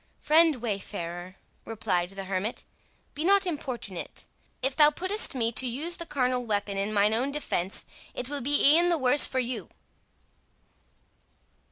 "Friend wayfarer," replied the hermit, "be not importunate; if thou puttest me to use the carnal weapon in mine own defence, it will be e'en the worse for you."